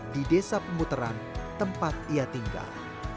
di desa pemuteran tempat ia tinggal